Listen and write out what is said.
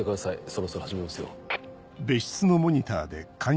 そろそろ始めますよ。